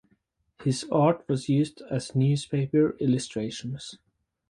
His art was used as newspaper illustrations.